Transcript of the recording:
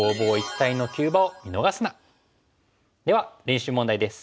では練習問題です。